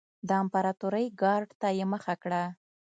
د امپراتورۍ ګارډ ته یې مخه کړه.